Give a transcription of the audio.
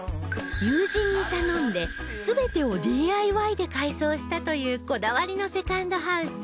友人に頼んで全てを ＤＩＹ で改装したというこだわりのセカンドハウス